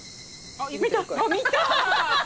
あっ見た！